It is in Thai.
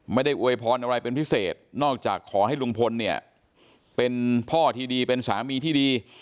อวยพรอะไรเป็นพิเศษนอกจากขอให้ลุงพลเนี่ยเป็นพ่อที่ดีเป็นสามีที่ดี